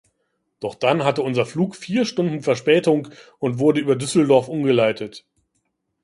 Doch dann hatte unser Flug vier Stunden Verspätung und wurde über Düsseldorf umgeleitet.